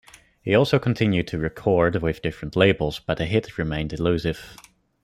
He also continued to record with different labels, but a hit remained elusive.